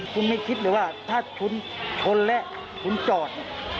คุณไม่คิดเลยว่าถ้าคุณชนแล้วคุณจอด